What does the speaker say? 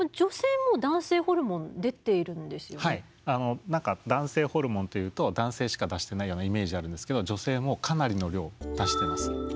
あの何か男性ホルモンというと男性しか出してないようなイメージあるんですけど女性もかなりの量出してます。